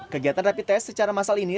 kegiatan rapi tes secara masal ini